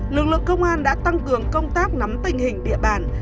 lực lượng công an đã tăng cường công tác nắm tình hình địa bàn